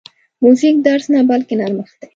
موزیک درز نه، بلکې نرمښت دی.